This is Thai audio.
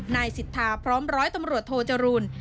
นายสิทธาพร้อมร้อยตำรวจโทจรูล